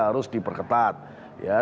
harus diperketat ya